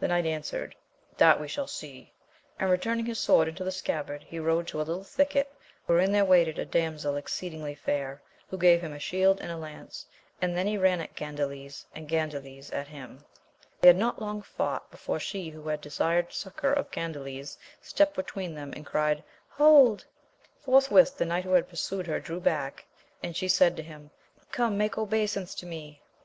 The knight answered, that we shall see, and returning his sword into the scabbard, he rode to a little thicket wherein there waited a damsel exceedingly fair, who gave him a shield and a lance, and then he ran at Gandales, and Gandales at him. * A quien Dioa de mala yentura. It is the Irish phrase, Bad luck to you ! 1 AMADIS OF GAUL. 17 They had not long fought before she who had de sired succour of Gandales, stepped between them, and cried, Hold ! Forthwith the knight who had pursued her drew back, and she said to him — Come, make obeisance to me